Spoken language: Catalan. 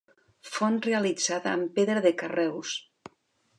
Font realitzada amb pedra de carreus.